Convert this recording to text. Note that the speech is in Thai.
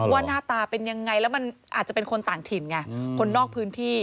หน้าตาเป็นยังไงแล้วมันอาจจะเป็นคนต่างถิ่นไงคนนอกพื้นที่